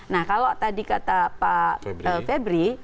nah kalau tadi kata pak febri